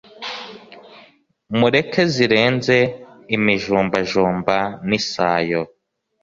Mureke zirenze imijumbajumba nisayo